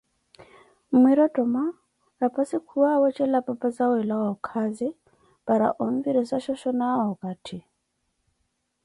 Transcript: Mmwirothomwa, raphassi khuwaawetja apapaze oolawa okazi, para onvirissa shoshonawe okay hi.